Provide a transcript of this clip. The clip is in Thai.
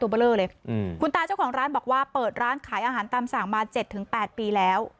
เบอร์เลอร์เลยอืมคุณตาเจ้าของร้านบอกว่าเปิดร้านขายอาหารตามสั่งมาเจ็ดถึงแปดปีแล้ว